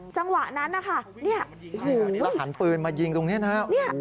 จังหวะนั้นนะคะหันปืนมายิงตรงนี้นะ